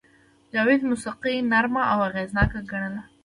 جاوید موسیقي نرمه او اغېزناکه ګڼي